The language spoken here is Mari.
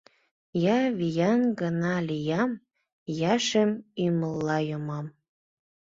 Я виян гына лиям, Я шем ӱмылла йомам.